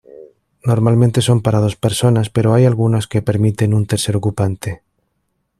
Normalmente son para dos personas, pero hay algunos que permiten un tercer ocupante.